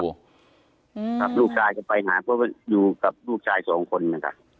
ครับลูกชายก็ไปหาเพราะว่าอยู่กับลูกชายสองคนนะครับ